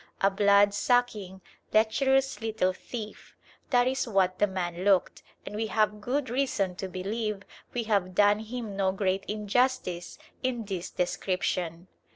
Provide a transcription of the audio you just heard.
A blood sucking, lecherous little thief: that is what the man looked, and we have good reason to believe we have done him no great injustice in this description.